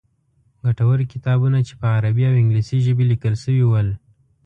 ګټور کتابونه چې په عربي او انګلیسي ژبې لیکل شوي ول.